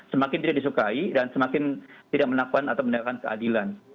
semakin tidak disukai dan semakin tidak menakukan atau menegakkan keadilan